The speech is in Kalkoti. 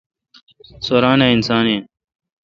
سو ران اؘ اسان این۔